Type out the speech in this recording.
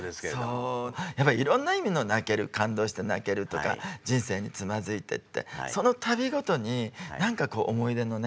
そうやっぱいろんな意味の「泣ける」感動して「泣ける」とか人生につまずいてってその度ごとに何かこう思い出のね